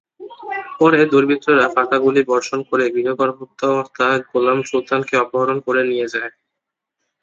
পরে দুর্বৃত্তরা ফাঁকা গুলি বর্ষণ করে গৃহকর্তা গোলাম সুলতানকে অপহরণ করে নিয়ে যায়।